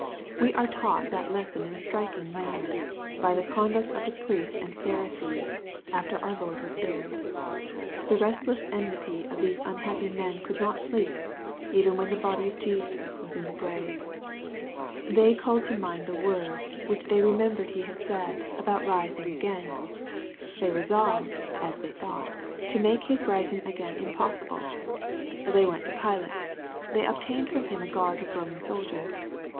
We are taught that lesson in a striking manner, by the conduct of the priests and Pharisees, after our Lord was buried. The restless enmity of these unhappy men could not sleep, even when the body of Jesus was in the grave. They called to mind the words, which thoy MATTHEW, CHAP. XXVII. 401 remembered he had said, about " rising again.*' They resolved, as they thought, to make His rising again im^ possible. They went to Pilate. They obtained from him a guard of Roman soldiers.